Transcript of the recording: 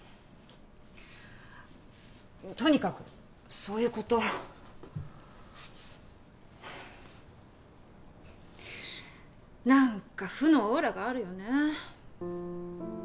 とにかくそういうこと何か負のオーラがあるよね